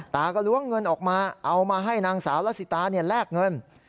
ตาก็ล้วงเงินออกมาเอามาให้นางสาวละสิตาแลกเงิน